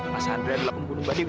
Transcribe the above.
mas andre adalah pembunuh mbak dewi